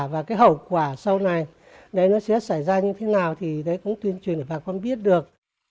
và cái hậu quả sau này đấy nó sẽ xảy ra như thế nào thì đấy cũng tuyên truyền để bà con biết được